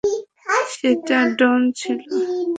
সেটা ডন ছিল।